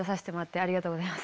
ありがとうございます。